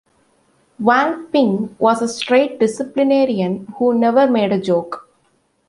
Wang Ping was a straight disciplinarian, who never made a joke.